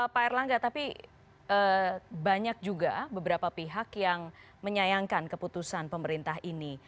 pak erlangga tapi banyak juga beberapa pihak yang menyayangkan keputusan pemerintah ini